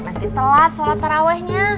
nanti telat sholat tarawehnya